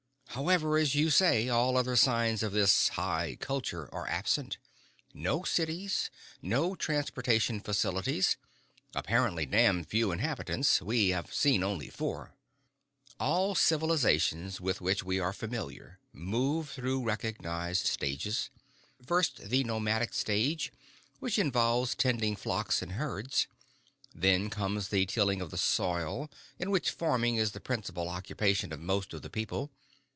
However, as you say, all other signs of this high culture are absent, no cities, no transportation facilities, apparently damned few inhabitants we have seen only four. All civilizations with which we are familiar move through recognized stages, first the nomadic stage, which involves tending flocks and herds. Then comes the tilling of the soil, in which farming is the principal occupation of most of the people.